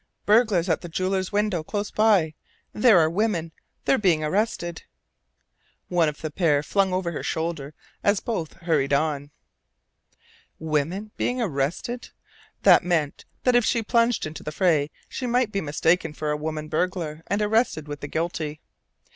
"Burglars at a jeweller's window close by there are women they're being arrested," one of the pair flung over her shoulder, as both hurried on. "'Women ... being arrested ...'" That meant that if she plunged into the fray she might be mistaken for a woman burglar, and arrested with the guilty.